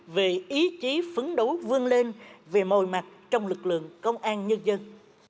về ý chí phấn đấu vương lên về mọi mặt trong lực lượng công an nhân dân